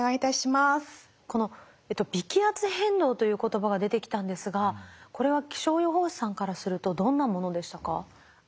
この微気圧変動という言葉が出てきたんですがこれは気象予報士さんからするとどんなものでしたか？